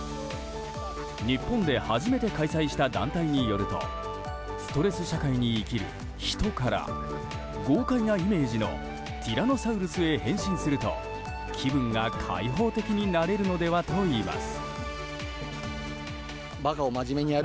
日本で初めて開催した団体によるとストレス社会に生きる人から豪快なイメージのティラノサウルスへ変身すると気分が開放的になれるのではといいます。